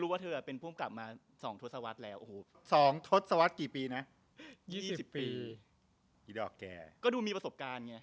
อย่าลืมนะคะจริงเป็นผู้อำกับมาก่อน